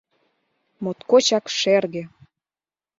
Моткочак шерге».